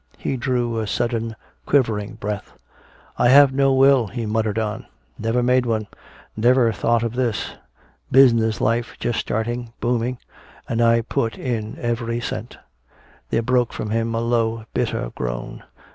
He drew a sudden quivering breath. "I have no will," he muttered on. "Never made one never thought of this. Business life just starting booming! and I put in every cent!" There broke from him a low, bitter groan.